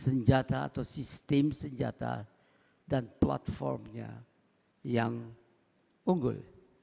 senjata atau sistem senjata dan platformnya yang unggul